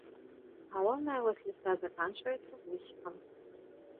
Галоўная вось ліста заканчваецца вусікам.